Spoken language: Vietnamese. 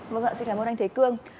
vâng ạ xin cảm ơn anh thế cương